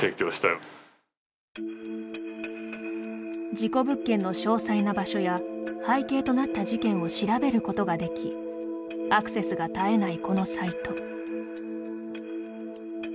事故物件の詳細な場所や背景となった事件を調べることができアクセスが絶えないこのサイト。